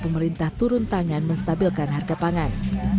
pemerintah turun tangan menstabilkan harga pangan